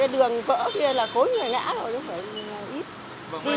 cái đường vỡ kia là khối người ngã rồi nó phải ít